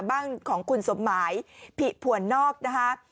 บ้านของคุณสมหมายผิผวนนอกนะคะ